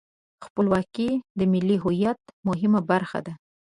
خپلواکي د ملي هویت مهمه برخه ده.